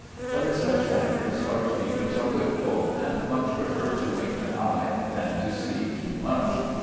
But in such matters archdeacons are liberal, and much prefer to wink an eye than to see too much.